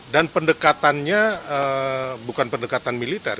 dan pendekatannya bukan pendekatan militer